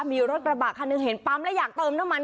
มีรถกระบะคันหนึ่งเห็นปั๊มแล้วอยากเติมน้ำมัน